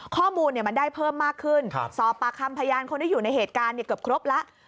ข้อมูลมันได้เพิ่มมากขึ้นสอบปากคำพยานคนที่อยู่ในเหตุการณ์เกือบครบแล้ว